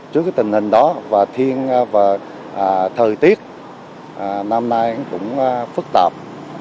trước tình hình đó thời tiết năm nay cũng phức tạp